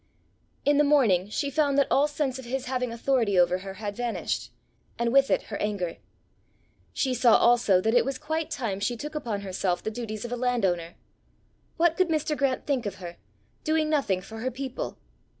In the morning she found that all sense of his having authority over her had vanished, and with it her anger. She saw also that it was quite time she took upon herself the duties of a landowner. What could Mr. Grant think of her doing nothing for her people!